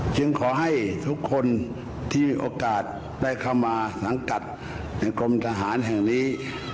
ขอให้ทุกคนที่มีโอกาสได้เข้ามาสังกัดในกรมทหารแห่งนี้